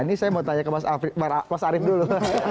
ini saya mau tanya ke mas arief dulu